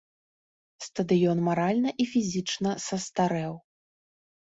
Стадыён маральна і фізічна састарэў.